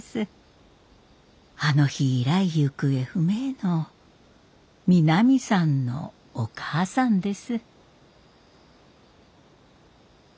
あの日以来行方不明の美波さんのお母さんです。